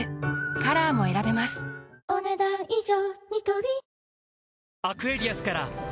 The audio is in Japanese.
カラーも選べますお、ねだん以上。